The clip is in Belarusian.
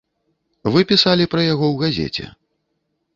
Вы пісалі пра яго ў газеце.